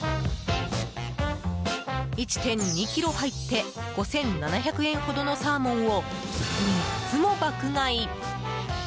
１２ｋｇ入って５７００円ほどのサーモンを３つも爆買い。